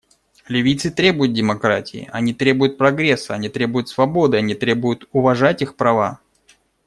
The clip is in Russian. Ливийцы требуют демократии, они требуют прогресса, они требуют свободы, они требуют уважать их права.